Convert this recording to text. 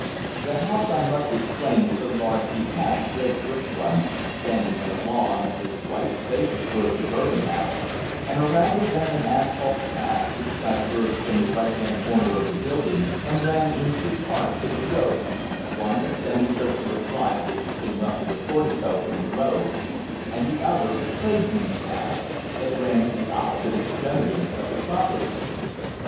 The house, I must explain, was a large detached red brick one, standing in a lawn that was quite spacious for a suburban house, and around it ran an asphalte path which diverged from the right hand corner of the building and ran in two parts to the road, one a semi circular drive which came up to the portico from the road, and the other, a tradesmen's path, that ran to the opposite extremity of the property.